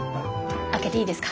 開けていいですか？